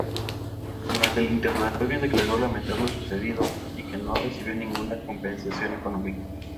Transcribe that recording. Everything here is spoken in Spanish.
Durante el interrogatorio declaró lamentar lo sucedido y que no recibió ninguna compensación económica.